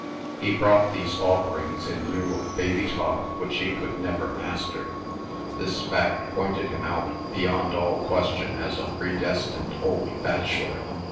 He brought these offerings in lieu of baby talk, which he could never master. This fact pointed him out, beyond all question, as a predestined old bachelor.